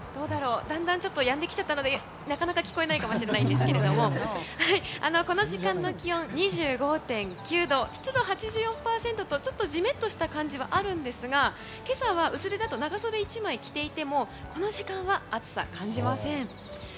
だんだんやんできたので聞こえないかもしれないんですがこの時間の気温２５．９度湿度８４％とちょっとジメッとした感じはあるんですが今朝は薄手だと長袖１枚着ていてもこの時間は、暑さ感じません。